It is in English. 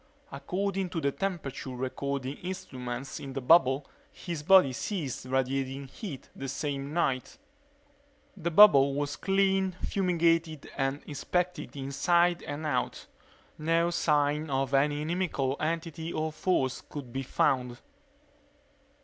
According to the temperature recording instruments in the bubble his body ceased radiating heat that same night. The bubble was cleaned, fumigated, and inspected inside and out. No sign of any inimical entity or force could be found.